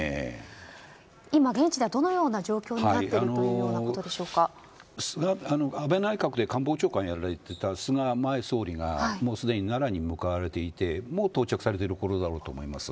今、現地ではどのような状況になっている安倍内閣で官房長官をやられていた菅前総理が奈良に向かわれていてもう到着されているころだと思います。